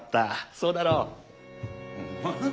そうだろう？ああ？